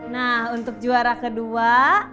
nah untuk juara kedua